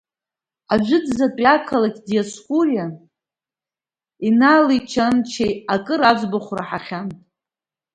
Ажәытәӡатәи ақалақь Диоскуриа Инали Чанчеи акыр аӡбахә раҳахьан.